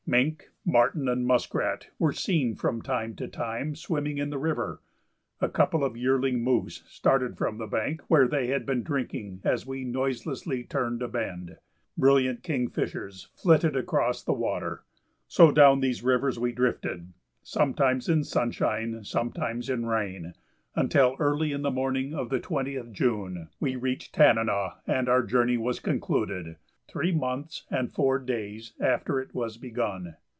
Mink, marten, and muskrat were seen from time to time swimming in the river; a couple of yearling moose started from the bank where they had been drinking as we noiselessly turned a bend; brilliant kingfishers flitted across the water. So down these rivers we drifted, sometimes in sunshine, sometimes in rain, until early in the morning of the 20th June, we reached Tanana, and our journey was concluded three months and four days after it was begun.